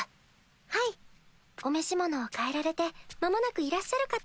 はいお召し物を変えられて間もなくいらっしゃるかと。